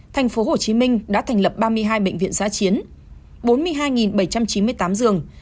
thành phố hồ chí minh đã thành lập ba mươi hai bệnh viện giá chiến bốn mươi hai bảy trăm chín mươi tám giường